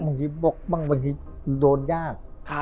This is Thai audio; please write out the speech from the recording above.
บางทีบอกบ้างบางทีโดนยาก